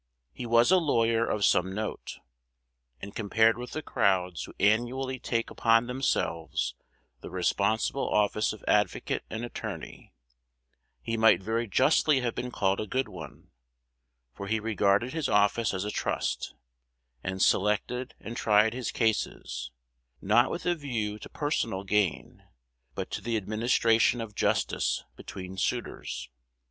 He was a lawyer of some note, and, compared with the crowds who annually take upon themselves the responsible office of advocate and attorney, he might very justly have been called a good one; for he regarded his office as a trust, and selected and tried his cases, not with a view to personal gain, but to the administration of justice between suitors.